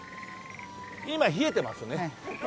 今冷えてますね。